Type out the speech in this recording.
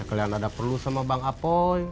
kalian ada perlu sama bang apoy